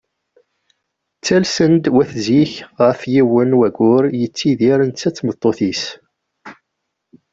Ttalsen-d wat zik ɣef yiwen n waggur yettidir netta d tmeṭṭut-is.